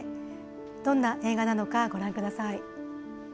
どんな映画なのか、ご覧ください。